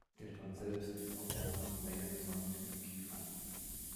Der Strand selbst ist auf der gesamten Länge gesäumt mit Kiefern.